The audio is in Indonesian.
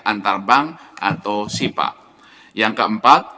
antar bank atau bank indonesia